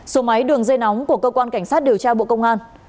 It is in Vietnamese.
số máy đường dây nóng của cơ quan cảnh sát điều tra bộ công an